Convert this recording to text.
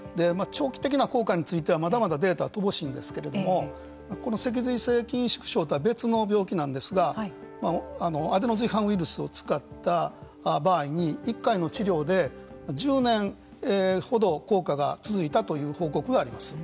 長期的な効果についてはまだまだデータは乏しいんですけれどもこの脊髄性筋萎縮症とは別の病気なんですがアデノ随伴ウイルスを使った場合に、１回の治療で１０年ほど効果が続いたという報告があります。